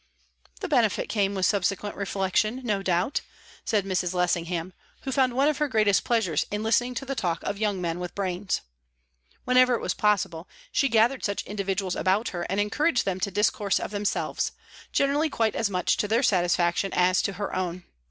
"The benefit came with subsequent reflection, no doubt," said Mrs. Lessingham, who found one of her greatest pleasures in listening to the talk of young men with brains. Whenever it was possible, she gathered such individuals about her and encouraged them to discourse of themselves, generally quite as much to their satisfaction as to her own.